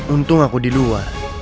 untung aku di luar